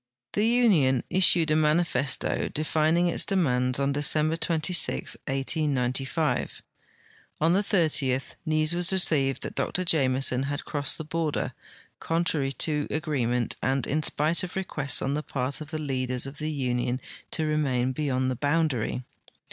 The union issued a manifesto, defining its demands, on Decem ber '2b, 1805. On the 30th news was received that Dr Jameson had cro.ssed the border, contrary to agreement and in spite of requests on the part of the leaders of the union to remain beyond the boundary.